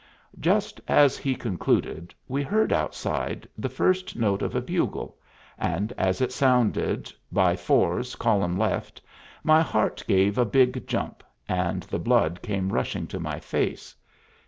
Just as he concluded, we heard outside the first note of a bugle, and as it sounded "By fours, column left," my heart gave a big jump, and the blood came rushing to my face.